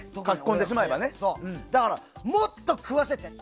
だから、もっと食わせて。